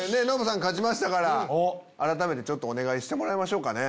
ノブさん勝ちましたから改めてお願いしてもらいましょう。